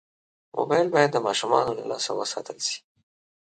موبایل باید د ماشومانو له لاسه وساتل شي.